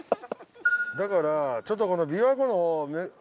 だからちょっとこの琵琶湖の。